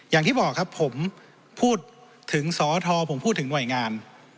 อย่างที่บอกครับผมพูดถึงสอทผมพูดถึงหน่วยงาน